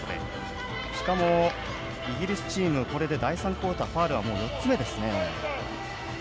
しかもイギリスチーム第３クオーターのファウルは４つ目。